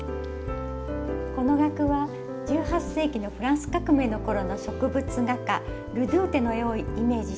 この額は１８世紀のフランス革命の頃の植物画家ルドゥーテの絵をイメージして制作しました。